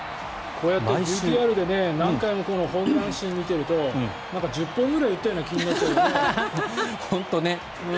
こうやってＶＴＲで何回もホームラン集を見てると１０本くらい打ったような気になるよね。